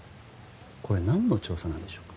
これ何の調査なんでしょうか？